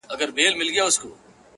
هغه مړ سو اوس يې ښخ كړلو;